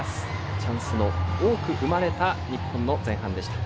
チャンスの多く生まれた日本の前半でした。